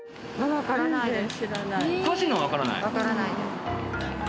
わからないです。